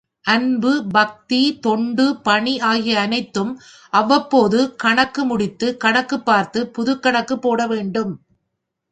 அன்பு பக்தி தொண்டு பணி ஆகிய அனைத்துக்கும் அவ்வபொழுது கணக்கு முடித்து கணக்கு பார்த்து புதுக்கணக்கு போடவேண்டும்.